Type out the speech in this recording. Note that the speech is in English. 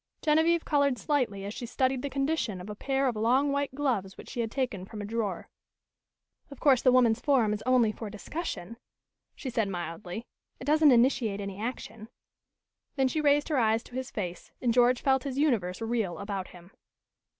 Genevieve colored slightly as she studied the condition of a pair of long white gloves which she had taken from a drawer. "Of course the Woman's Forum is only for discussion," she said mildly. "It doesn't initiate any action." Then she raised her eyes to his face and George felt his universe reel about him.